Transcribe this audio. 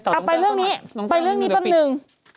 ไปเรื่องนี้ไปเรื่องนี้แป๊บนึง